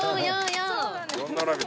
４並びだ。